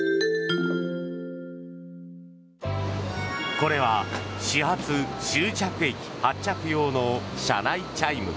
これは始発・終着駅発着用の車内チャイム。